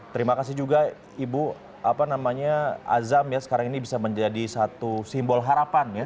terima kasih juga ibu apa namanya azam ya sekarang ini bisa menjadi satu simbol harapan ya